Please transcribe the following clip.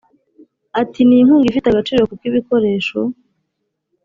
Ati “Ni inkunga ifite agaciro kuko ibikoresho